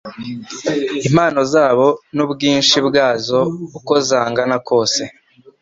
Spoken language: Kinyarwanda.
Impano zabo n'ubwinshi bwazo uko zangana kose,